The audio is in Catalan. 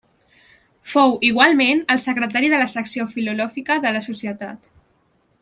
Fou igualment el secretari de la secció filològica de la Societat.